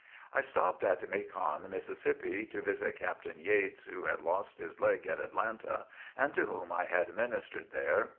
I stopped at Macon, Mississippi, to visit Captain Yates who had lost his leg at Atlanta and to whom I had ministered there.